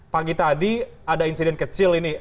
pagi tadi ada insiden kecil ini